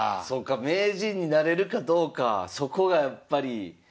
そっか名人になれるかどうかそこがやっぱり。